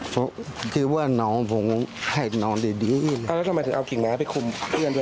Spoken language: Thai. เพราะคิดว่าน้องผมให้นอนดีดีอ้าวแล้วทำไมถึงเอากลิ่งไม้ไปคุมเพื่อนด้วยอ่ะ